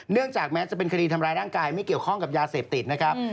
จากแม้จะเป็นคดีทำร้ายร่างกายไม่เกี่ยวข้องกับยาเสพติดนะครับ